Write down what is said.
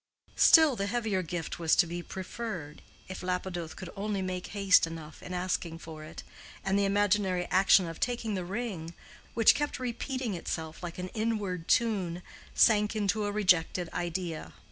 Still, the heavier gift was to be preferred, if Lapidoth could only make haste enough in asking for it, and the imaginary action of taking the ring, which kept repeating itself like an inward tune, sank into a rejected idea.